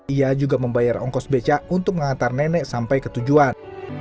ia juga membayar ongkos becak untuk mengantar nenek sampai ke tujuan